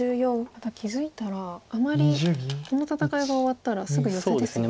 また気付いたらあまりこの戦いが終わったらすぐヨセですね。